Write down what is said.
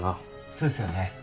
そうですよね。